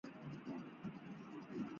山西省军区隶属华北军区。